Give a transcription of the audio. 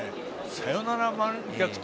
サヨナラ逆転